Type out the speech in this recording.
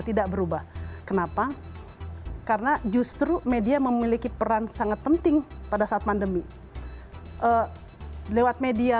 tidak berubah kenapa karena justru media memiliki peran sangat penting pada saat pandemi lewat media